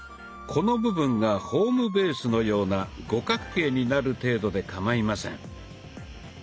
この部分がホームベースのような五角形になる程度でかまいません。